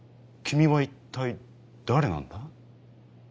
君は一体誰なんだ？